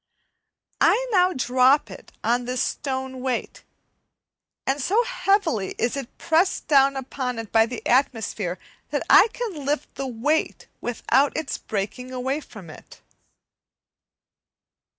I now drop it on this stone weight, and so heavily is it pressed down upon it by the atmosphere that I can lift the weight without its breaking away from it.